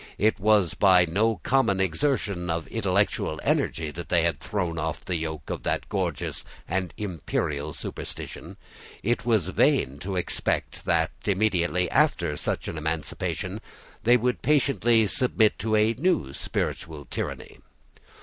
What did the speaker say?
It was by no common exertion of intellectual energy that they had thrown off the yoke of that gorgeous and imperial superstition; and it was vain to expect that, immediately after such an emancipation, they would patiently submit to a new spiritual tyranny.